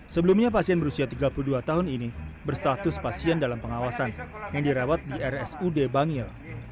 sebelumnya pasien berusia tiga puluh dua tahun ini berstatus pasien dalam pengawasan yang dirawat di rsud bangil